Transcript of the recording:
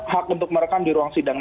hak untuk merekam di ruang sidang